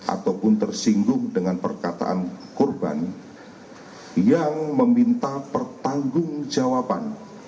ataupun tersinggung dengan perkataan korban yang meminta pertanggung jawaban